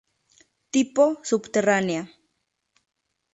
Tipo: Subterránea.